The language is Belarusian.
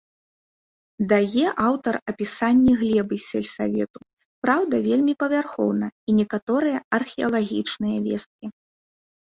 Дае аўтар апісанні глебы сельсавету, праўда, вельмі павярхоўна, і некаторыя археалагічныя весткі.